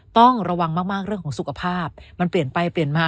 ต้องระวังมากเรื่องของสุขภาพมันเปลี่ยนไปเปลี่ยนมา